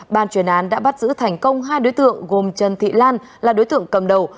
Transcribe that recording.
ban chuyên án đã bắt giữ thành công hai đối tượng gồm trần thị lan là đối tượng cầm đầu